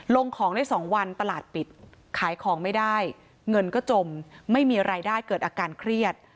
ลงของได้๒วันตลาดปิดขายของไม่ได้เงินก็จมไม่มีรายได้เกิดอาการเครียด